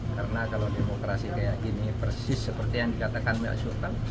karena kalau demokrasi kayak gini persis seperti yang dikatakan mbak soekarno